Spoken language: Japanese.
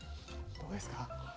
どうですか？